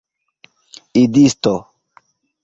idisto